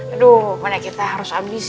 aduh mana kita harus habisin lagi